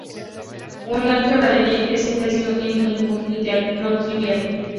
Un álgebra de Lie es "simple" si no tiene ningún ideal no trivial.